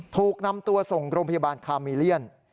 ถูกนำตัวส่งโรงพยาบาลคามีเลียน